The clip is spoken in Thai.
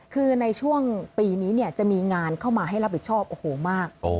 คือในช่วงปีนี้เนี่ยจะมีงานเข้ามาให้รับผิดชอบโอ้โหมาก